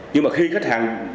nhưng mà khi khách hàng